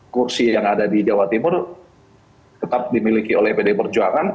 kursi yang ada di jawa timur tetap dimiliki oleh pdi perjuangan